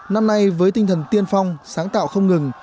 năm nay với tinh thần tiên phong sáng tạo không ngừng